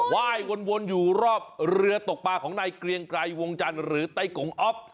ว่ายวนอยู่รอบเรือตกปลาของนายเกรียงไกรวงจันทร์หรือไต้กงอ๊อฟ